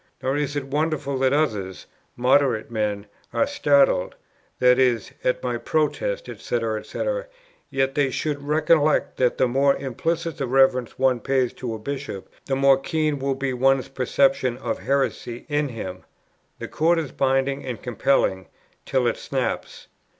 Nor is it wonderful that others" [moderate men] "are startled" [i.e. at my Protest, &c. &c.]; "yet they should recollect that the more implicit the reverence one pays to a Bishop, the more keen will be one's perception of heresy in him. The cord is binding and compelling, till it snaps.